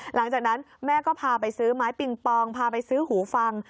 หลังจากนั้นแม่ก็พาไปซื้อไม้ปิงปองพาไปซื้อหูฟัง